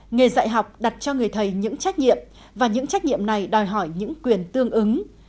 nghề dạy học đặt cho người thầy những trách nhiệm và những trách nhiệm này đòi hỏi những quyền tương ứng